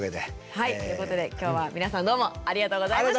はいということで今日は皆さんどうもありがとうございました。